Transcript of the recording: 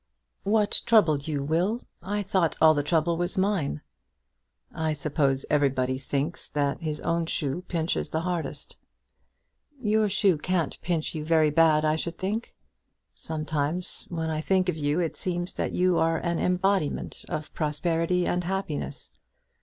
"What troubled you, Will? I thought all the trouble was mine." "I suppose everybody thinks that his own shoe pinches the hardest." "Your shoe can't pinch you very bad, I should think. Sometimes when I think of you it seems that you are an embodiment of prosperity and happiness."